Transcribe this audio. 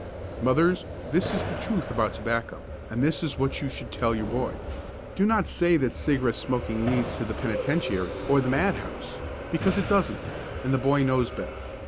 Mothers, this is the truth about tobacco, and this is what you should tell your boy. Do not say that cigarette smoking leads to the penitentiary or the madhouse, because it doesn't, and the boy knows better.